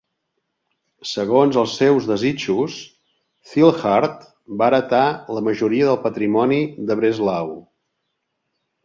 Segons els seus desitjos, Zillhardt va heretar la majoria del patrimoni de Breslau.